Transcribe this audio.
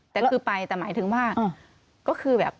แต่ก็คือไปแต่หมายถึงว่าก็คือแบบ